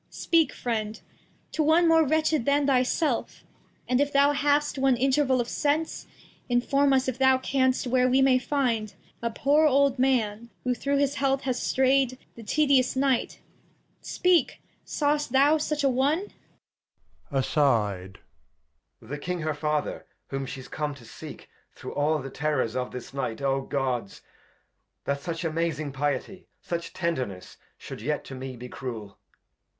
Speak, Friend, to one more wretched than thy self ; And if thou hast one Interval of Sense, Inform us, if thou canst, where we may find A poor old Man, who through this heath has stray'd The tedious Night. — Speak, sawest thou such a one ? Edg. The King her Father, whom she's come to seek ; Through all the Terrors of this Night : OGods! [Aside. That such amazing Piety, such Tenderness Shou'd yet to me be Cruel.